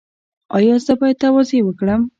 ایا زه باید تواضع وکړم؟